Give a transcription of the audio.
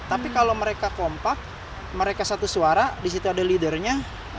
tapi kalau mereka kompak mereka satu suara disitu ada leader nya